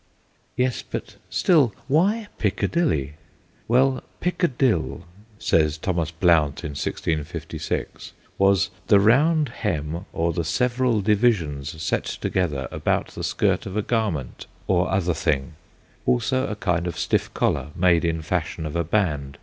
Yes ; but still, why Piccadilly ? Well, pickadil, says Thomas Blount in 1656, was * the round hem, or the several divisions set together about the skirt of a garment, or other thing ; also a kind of stiff collar made in fashion of a band.